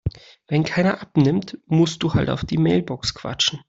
Wenn keiner abnimmt, musst du halt auf die Mailbox quatschen.